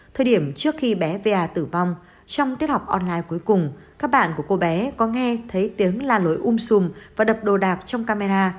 thời điểm trước khi bé va tử vong trong tiết học online cuối cùng các bạn của cô bé có nghe thấy tiếng là lối um sùm và đập đồ đạc trong camera